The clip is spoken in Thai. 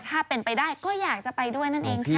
ถ้าเป็นไปได้ก็อยากจะไปด้วยนั่นเองค่ะ